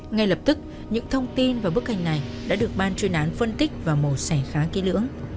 ngay lập tức những thông tin và bức ảnh này đã được ban chuyên án phân tích và mồ sẻ khá kỹ lưỡng